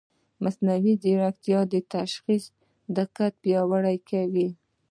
مصنوعي ځیرکتیا د تشخیص دقت پیاوړی کوي.